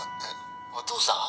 「お父さん」？